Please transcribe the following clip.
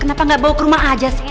kenapa nggak bawa ke rumah aja sih